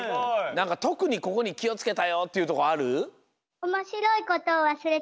なんかとくにここにきをつけたよっていうとこある？